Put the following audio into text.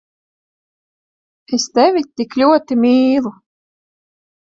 Es tevi tik ļoti mīlu…